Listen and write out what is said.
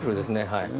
はい。